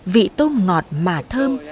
vị tôm ngọt mà thơm